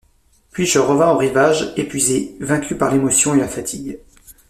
Puis je revins au rivage, épuisé, vaincu par l’émotion et la fatigue.